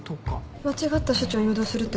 間違った処置を誘導するってこと？